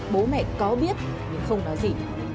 bố mẹ có biết nhưng không nói gì